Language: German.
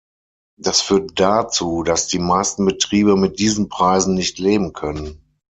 Das führt dazu, dass die meisten Betriebe mit diesen Preisen nicht leben können.